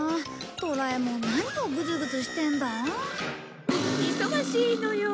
ドラえもん何をグズグズしてんだ？忙しいのよ。